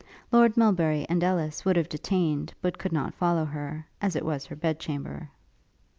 Lord Melbury and Ellis would have detained, but could not follow her, as it was her bed chamber.